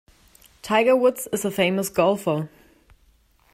Tiger Woods is a famous golfer.